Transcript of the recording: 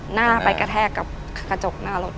หน้าไปกระแทกกับกระจกหน้ารถ